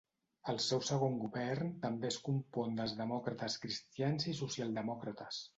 El seu segon govern també es compon dels demòcrates cristians i socialdemòcrates.